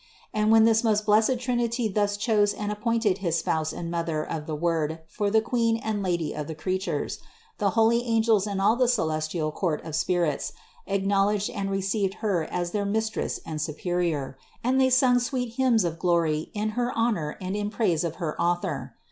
And when the most blessed Trinity thus chose and appointed his Spouse and Mother of the Word for the Queen and Lady of the creatures, the holy angels and all the celes tial court of Spirits acknowledged and received Her as their Mistress and Superior, and they sung sweet hymns of glory in her honor and in praise of her Author.